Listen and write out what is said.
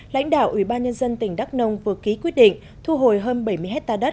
lãnh đạo ủy ban nhân dân tỉnh đắk nông vừa ký quyết định thu hồi hơn bảy mươi hectare đất